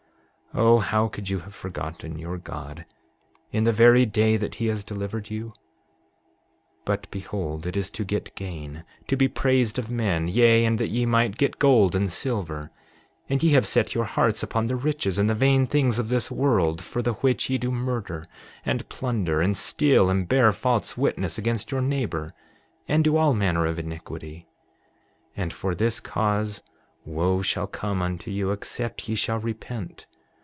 7:20 O, how could you have forgotten your God in the very day that he has delivered you? 7:21 But behold, it is to get gain, to be praised of men, yea, and that ye might get gold and silver. And ye have set your hearts upon the riches and the vain things of this world, for the which ye do murder, and plunder, and steal, and bear false witness against your neighbor, and do all manner of iniquity. 7:22 And for this cause wo shall come unto you except ye shall repent.